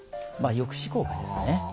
抑止効果ですね。